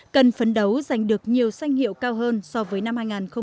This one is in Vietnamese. cần phấn đấu giành được nhiều sanh hiệu cao hơn so với năm hai nghìn một mươi bảy